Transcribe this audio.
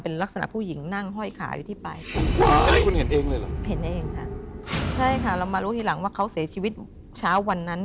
เป็นลักษณะผู้หญิงนั่งเห้อยขายูรถไป